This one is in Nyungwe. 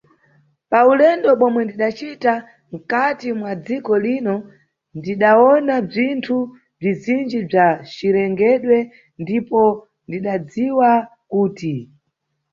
Pa ulendo bomwe ndidacita mkhati mwa dziko lino ndidawona bzinthu bzizinji bza cirengedwe ndipo ndidadziwa kuti.